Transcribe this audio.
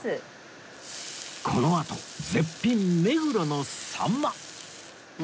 このあと絶品目黒のさんま